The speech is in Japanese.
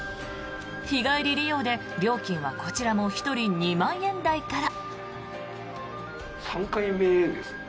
日帰り利用で料金はこちらも１人２万円台から。